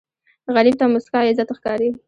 غریب ته موسکا عزت ښکاري